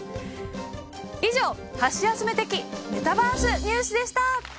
以上ハシヤスメ的メタバースニュースでした。